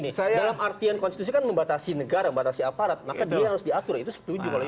ini dalam artian konstitusi kan membatasi negara membatasi aparat maka dia harus diatur itu setuju kalau itu